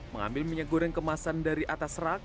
mengambil minyak goreng kemasan dari atas rak